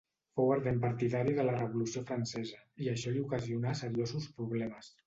Fou ardent partidari de la Revolució Francesa, i això li ocasionà seriosos problemes.